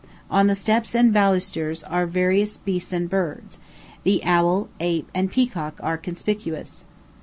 On the steps and balusters are various beasts and birds; the owl, ape, and peacock are conspicuous.